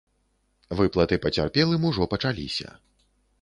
Выплаты пацярпелым ужо пачаліся.